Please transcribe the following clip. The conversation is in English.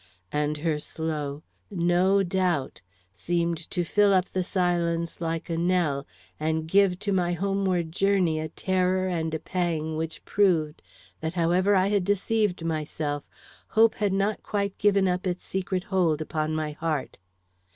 And her slow "No doubt," seemed to fill up the silence like a knell, and give to my homeward journey a terror and a pang which proved that however I had deceived myself, hope had not quite given up its secret hold upon my heart.